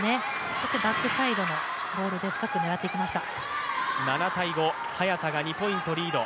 そしてバックサイドのボールで深く狙っていきました。